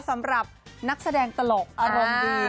สำหรับนักแสดงตลกอารมณ์ดี